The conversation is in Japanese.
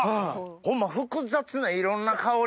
ホンマ複雑ないろんな香り。